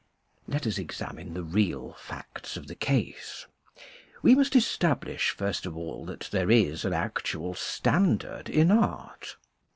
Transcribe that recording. Let us examine the real facts of the case. We must establish first of all that there is an actual standard in art.